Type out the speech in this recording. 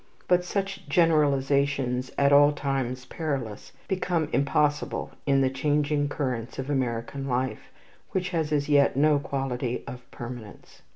But such generalizations, at all times perilous, become impossible in the changing currents of American life, which has as yet no quality of permanence.